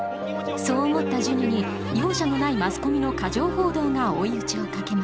そう思ったジュニに容赦のないマスコミの過剰報道が追い打ちをかけます。